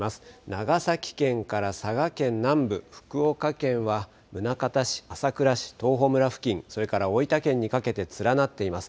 長崎県から佐賀県南部、福岡県は宗像市、朝倉市、東峰村付近、それから大分県にかけて連なっています。